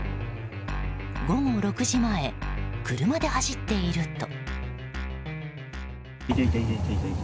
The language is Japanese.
午後６時前、車で走っていると。